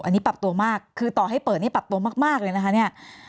อันนี้ปรับตัวมากคือต่อให้เปิดนี่ปรับตัวมากเลยนะคะเนี่ย